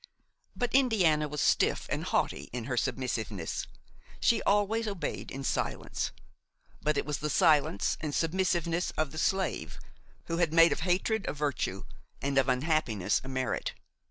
But Indiana was stiff and haughty in her submissiveness; she always obeyed in silence; but it was the silence and submissiveness of the slave who has made of hatred a virtue and of unhappiness a merit.